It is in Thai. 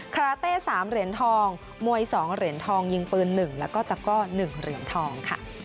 คาราเต้๓เหรียญทองมวย๒เหรียญทองยิงปืน๑แล้วก็ตะก้อ๑เหรียญทองค่ะ